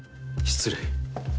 失礼。